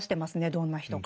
どんな人か。